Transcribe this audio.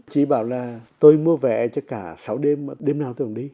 chỉ bảo là tôi mua vẽ cho cả sáu đêm đêm nào tôi cũng đi